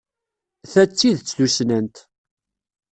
Ta d tidet tussnant.